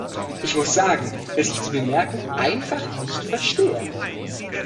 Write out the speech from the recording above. Ich muss sagen, dass ich die Bemerkung einfach nicht verstehe.